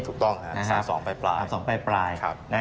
ถูกต้องนะ๓๒ปลาย